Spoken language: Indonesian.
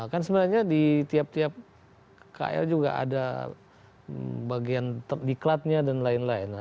kan sebenarnya di tiap tiap kl juga ada bagian diklatnya dan lain lain